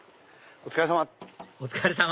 お疲れさま！